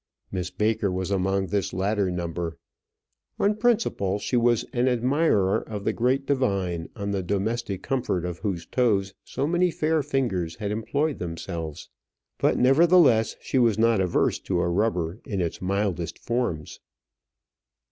Miss Baker was among this latter number: on principle, she was an admirer of the great divine on the domestic comfort of whose toes so many fair fingers had employed themselves; but, nevertheless, she was not averse to a rubber in its mildest forms.